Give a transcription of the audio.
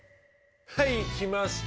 はい来ました！